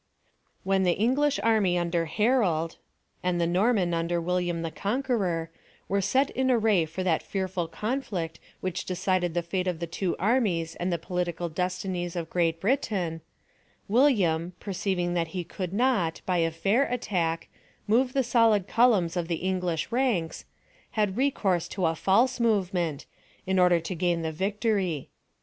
When the English army under Harold, and tlie Norman under William the Coiiqueror, were set in array for that fearful conflict which decided the fate of the two armies and the political destinies of Great Britain, William, perceiving that he could not, by a fair attack, move the solid columns of the English ranks, had recourse to a false movement, in order to gain the victory.